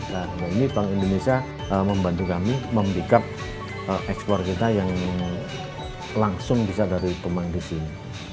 dan ini bank indonesia membantu kami memikap ekspor kita yang langsung bisa dari tumang di sini